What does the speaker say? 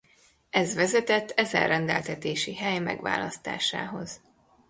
Ez vezetett ezen rendeltetési hely megválasztásához.